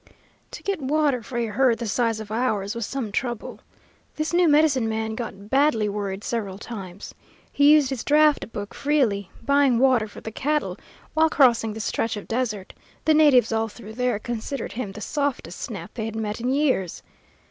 To get water for a herd the size of ours was some trouble. This new medicine man got badly worried several times. He used his draft book freely, buying water for the cattle while crossing this stretch of desert; the natives all through there considered him the softest snap they had met in years.